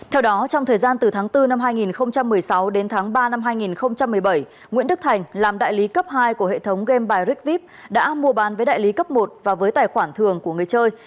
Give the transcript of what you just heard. theo đó trong thời gian từ tháng bốn năm hai nghìn một mươi sáu đến tháng ba năm hai nghìn một mươi bảy nguyễn đức thành làm đại lý cấp hai của hệ thống game by rickvip đã mua bán với đại lý cấp một và với tài khoản thường của người chơi